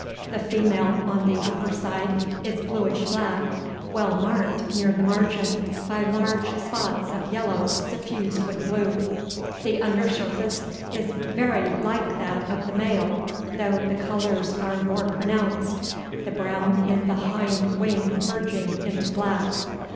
The female on the upper side is bluish black, well marked near the margin by large spots of yellow suffused with blue. The under surface is very like that of the male, though the colors are more pronounced, the brown in the hind wing merging into black.